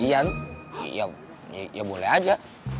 yan ya boleh aja